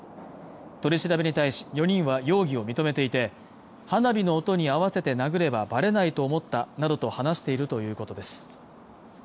取り調べに対し４人は容疑を認めていて花火の音に合わせて殴ればバレないと思ったなどと話しているということです